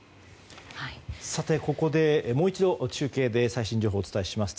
ここで、もう一度中継で最新情報をお伝えします。